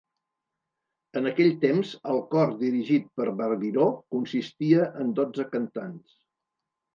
En aquell temps, el cor dirigit per Barbireau consistia en dotze cantants.